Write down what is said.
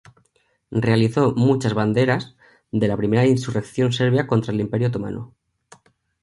Realizó muchas banderas de la Primera insurrección serbia contra el Imperio otomano.